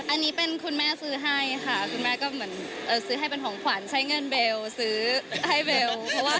อันนี้เป็นคุณแม่ซื้อให้ค่ะคุณแม่ก็เหมือนซื้อให้เป็นของขวัญใช้เงินเบลซื้อให้เบล